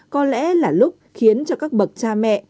có lẽ là lúc khiến cho các bậc cha mẹ